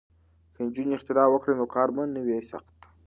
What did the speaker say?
که نجونې اختراع وکړي نو کار به نه وي سخت.